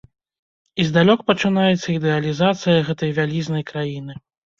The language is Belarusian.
І здалёк пачынаецца ідэалізацыя гэтай вялізнай краіны.